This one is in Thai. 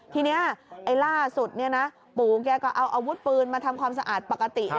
ทีนี้ล่าสุดปู่แกก็เอาอาวุธปืนมาทำความสะอาดปกติ